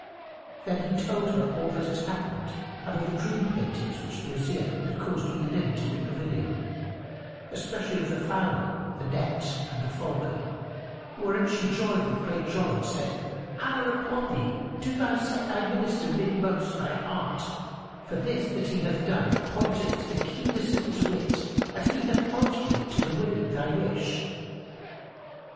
Then he told her all that had happened and of the dream paintings which the Wazir had caused to be limned in the pavilion; especially of the fowler, the net and the falcon: whereat she joyed with great joy and said, "Allah upon thee, do thou set thy Minister midmost thy heart, for this that he hath done pointeth to the keenness of his wit and he hath helped thee to the winning thy wish.